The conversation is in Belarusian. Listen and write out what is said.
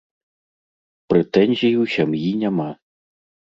Прэтэнзій у сям'і няма.